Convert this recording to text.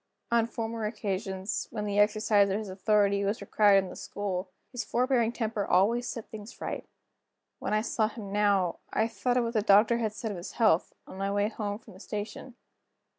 On former occasions, when the exercise of his authority was required in the school, his forbearing temper always set things right. When I saw him now, I thought of what the doctor had said of his health, on my way home from the station.